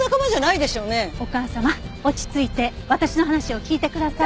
お母様落ち着いて私の話を聞いてください。